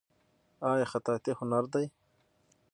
آیا خطاطي هنر دی؟